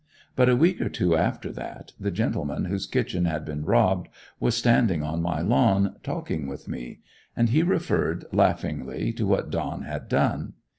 But a week or two after that, the gentleman whose kitchen had been robbed was standing on my lawn, talking with me, and he referred, laughingly, to what Don had done.